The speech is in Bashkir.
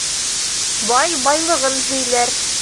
Бай байлығын һөйләр